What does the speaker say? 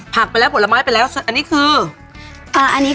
ค่ะอันนี้ล่ะคะลามไยเ้สีทางอบแพง